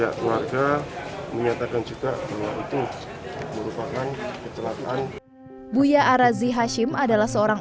terima kasih menyatakan juga bahwa itu merupakan kecelakaan buya arazi hashim adalah seorang